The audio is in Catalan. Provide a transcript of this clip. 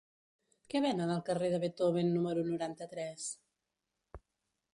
Què venen al carrer de Beethoven número noranta-tres?